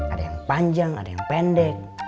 ada yang panjang ada yang pendek